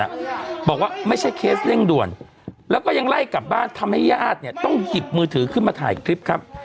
บอกว่าไม่ใช่เคสเร่งด่วนแล้วก็ยังไล่กลับบ้านทำให้ญาติเนี่ยต้องหยิบมือถือขึ้นมาถ่ายคลิปครับ